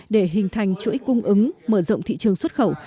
để hình thành chuỗi cung ứng mở rộng thị trường xuất khẩu